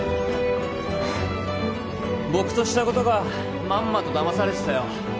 僕としたことがまんまとだまされてたよ。